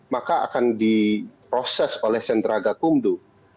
maka akan diproses oleh sentraga kumdu